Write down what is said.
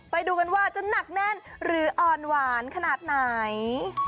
ไปดูกันว่าจะหนักแน่นหรืออ่อนหวานขนาดไหน